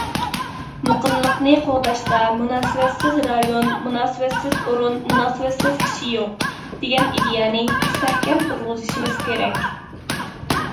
مۇقىملىقنى قوغداشتا مۇناسىۋەتسىز رايون، مۇناسىۋەتسىز ئورۇن، مۇناسىۋەتسىز كىشى يوق، دېگەن ئىدىيەنى مۇستەھكەم تۇرغۇزۇشىمىز كېرەك.